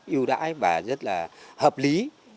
yêu đãi và rất là hợp lý